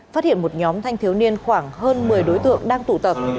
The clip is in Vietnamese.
phát hiện một nhóm thanh thiếu niên khoảng hơn một mươi đối tượng đang tụ tập